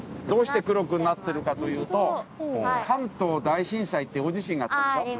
どうして黒くなってるかというと関東大震災って大地震があったでしょ。